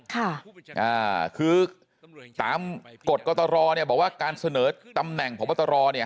ค่ะอ่าคือตามกฎกตรเนี่ยบอกว่าการเสนอตำแหน่งพบตรเนี่ย